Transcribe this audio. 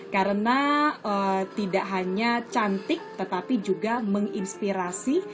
karena tidak hanya cantik tetapi juga menginspirasi